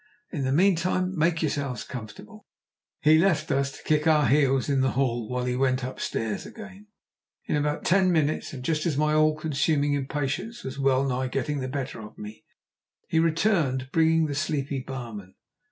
In the meantime make yourselves comfortable." He left us to kick our heels in the hall while he went upstairs again. In about ten minutes, and just as my all consuming impatience was well nigh getting the better of me, he returned, bringing with him the sleepy barman.